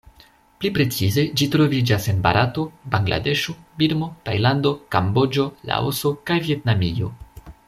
Pli precize ĝi troviĝas en Barato, Bangladeŝo, Birmo, Tajlando, Kamboĝo, Laoso kaj Vjetnamio.